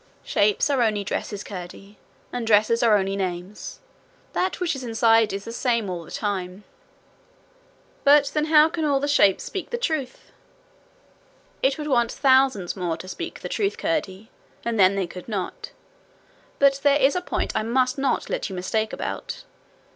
'Shapes are only dresses, Curdie, and dresses are only names. That which is inside is the same all the time.' 'But then how can all the shapes speak the truth?' 'It would want thousands more to speak the truth, Curdie; and then they could not. But there is a point I must not let you mistake about.